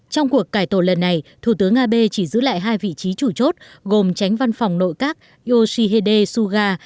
trong cuộc cải tổ lần này thủ tướng abe chỉ giữ lại hai vị trí chủ chốt gồm tránh văn phòng nội các yoshihide suga